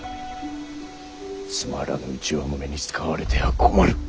つまらぬ内輪もめに使われては困る。